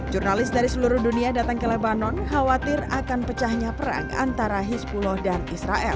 jurnalis dari seluruh dunia datang ke lebanon khawatir akan pecahnya perang antara hispulo dan israel